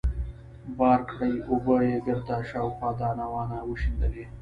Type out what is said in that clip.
بار کړې اوبه يې بېرته شاوخوا دانه وانه وشيندلې.